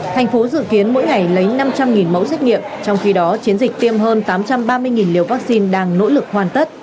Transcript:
thành phố dự kiến mỗi ngày lấy năm trăm linh mẫu xét nghiệm trong khi đó chiến dịch tiêm hơn tám trăm ba mươi liều vaccine đang nỗ lực hoàn tất